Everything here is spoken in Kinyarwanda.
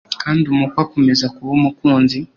Kandi umukwe akomeza kuba umukunzi